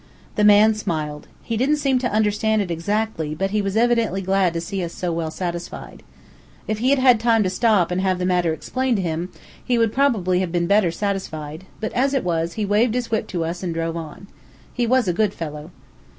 The man smiled. He didn't seem to understand it exactly, but he was evidently glad to see us so well satisfied. If he had had time to stop and have the matter explained to him, he would probably have been better satisfied; but as it was, he waved his whip to us and drove on. He was a good fellow.